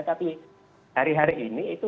tapi hari hari ini itu